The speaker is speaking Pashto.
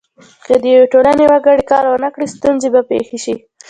که د یوې ټولنې وګړي کار ونه کړي ستونزه به پیښه شي.